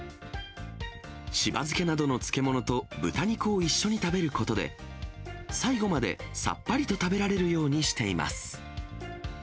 柴漬けなどの漬物と豚肉を一緒に食べることで、最後までさっぱりと食べられるようにしています。